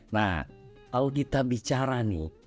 nah kalau kita bicara nih